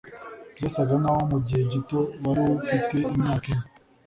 byasaga nkaho mugihe gito wari ufite imyaka ine